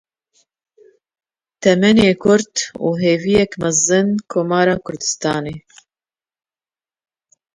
Temenê kurt û hêviyeke mezin: Komara Kurdistanê.